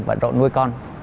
bận rộn nuôi con